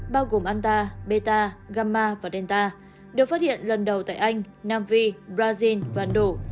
bao gồm anta beta gamma và delta được phát hiện lần đầu tại anh nam phi brazil và ấn độ